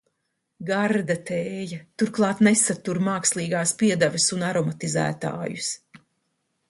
Garda tēja, turklāt nesatur mākslīgās piedevas un aromatizētājus.